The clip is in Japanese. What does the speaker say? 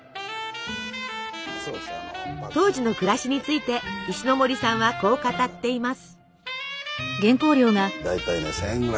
当時の暮らしについて石森さんはこう語っています。